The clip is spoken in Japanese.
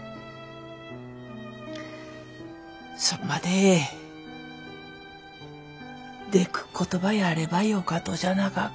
それまででくっことばやればよかとじゃなかか。